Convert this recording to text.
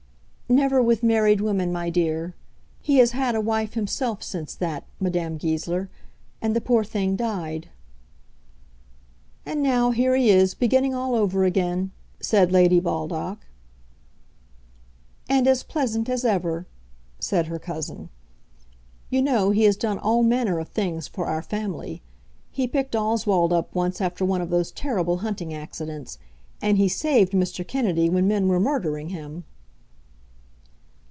"Never with married women, my dear. He has had a wife himself since that, Madame Goesler, and the poor thing died." "And now here he is beginning all over again," said Lady Baldock. "And as pleasant as ever," said her cousin. "You know he has done all manner of things for our family. He picked Oswald up once after one of those terrible hunting accidents; and he saved Mr. Kennedy when men were murdering him."